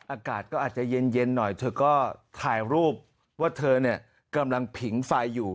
อากาศก็อาจจะเย็นหน่อยเธอก็ถ่ายรูปว่าเธอเนี่ยกำลังผิงไฟอยู่